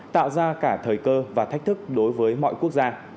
tạo ra cả thời cơ và thách thức đối với mọi quốc gia